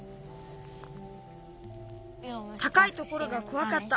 たかいところがこわかった。